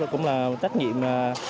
cũng là trách nhiệm